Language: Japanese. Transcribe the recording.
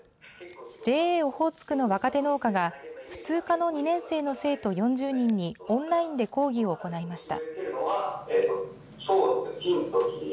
ＪＡオホーツクの若手農家が普通科の２年生の生徒４０人にオンラインで講義を行いました。